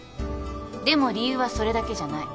でも理由はそれだけじゃない